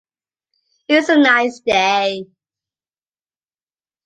It’s a nice day.